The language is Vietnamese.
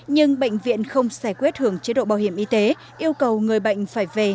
nhưng bệnh viện không sẻ quyết hưởng chế độ bảo hiểm y tế yêu cầu người bệnh phải về